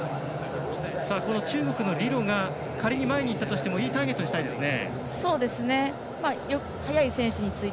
この中国の李露が仮に前にいったとしてもいいターゲットにしたいですね。